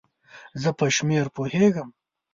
زه په شمېر پوهیږم